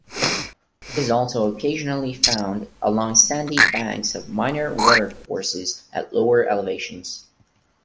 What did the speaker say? It is also occasionally found along sandy banks of minor watercourses at lower elevations.